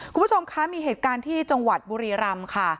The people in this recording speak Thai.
คุณผู้ชมคะมีเหตุการณ์ที่จังหวัดบุรีรำค่ะ